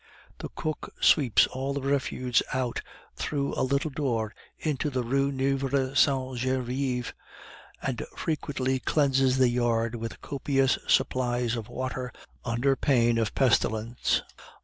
The cook sweeps all the refuse out through a little door into the Rue Nueve Sainte Genevieve, and frequently cleanses the yard with copious supplies of water, under pain of pestilence.